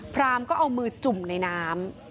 พรามก็เอามือจุ่มในน้ำ